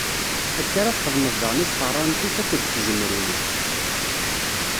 Akka ara txedmeḍ daɣen i tfeṛṛant-ik akked tzemmrin-ik.